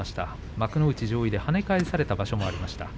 幕内上位で、はね返された場所もありました。